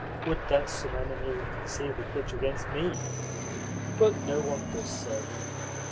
Would that some enemy would conceive a grudge against me! But no one does so.